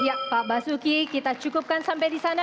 ya pak basuki kita cukupkan sampai disana